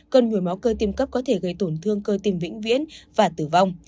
cơn nhồi máu cơ tim cấp có thể gây tổn thương cơ tim vĩnh viễn và tử vong